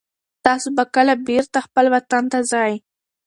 تاسو به کله بېرته خپل وطن ته ځئ؟